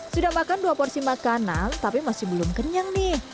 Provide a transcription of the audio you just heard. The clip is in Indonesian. sudah makan dua porsi makanan tapi masih belum kenyang nih